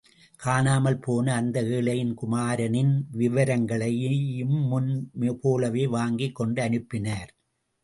காணாமற் போன அந்த ஏழையின் குமாரனின் விவரங்களையும் முன் போலவே வாங்கிக் கொண்டு அனுப்பினார்.